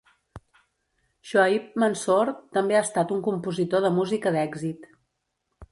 Shoaib Mansoor també ha estat un compositor de música d'èxit.